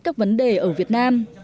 các vấn đề ở việt nam